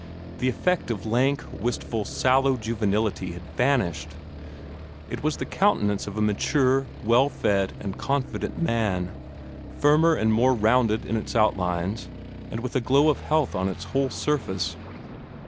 The effect of lank, wistful, sallow juvenility had vanished. It was the countenance of a mature, well fed, and confident man, firmer and more rounded in its outlines, and with a glow of health on its whole surface.